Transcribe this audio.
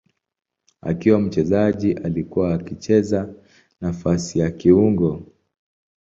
Akiwa mchezaji alikuwa akicheza nafasi ya kiungo.